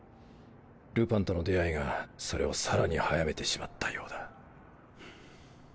ルパンとの出会いがそれをさらに早めてしまったようだ。